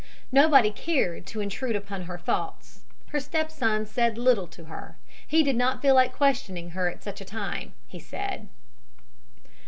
Nobody cared to intrude upon her thoughts. Her stepson said little to her. He did not feel like questioning her at such a time, he said.